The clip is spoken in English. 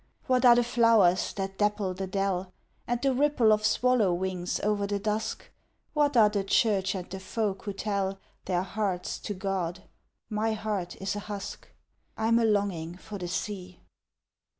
What are the flowers that dapple the dell, And the ripple of swallow wings over the dusk; What are the church and the folk who tell Their hearts to God? my heart is a husk! (I'm a longing for the sea!)